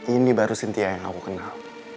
ini baru cynthia yang aku kenal